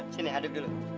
sini aduk dulu